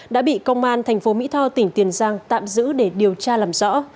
đã bị công an thành phố mỹ tho tỉnh tiền giang tạm giữ để điều tra làm rõ